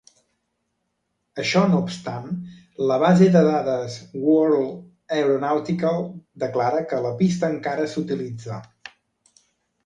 Això no obstant, la base de dades World Aeronautical declara que la pista encara s'utilitza.